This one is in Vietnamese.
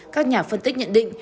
các nhà phân tích nhận định